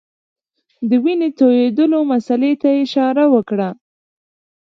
د وینو تویېدلو مسلې ته اشاره وکړه.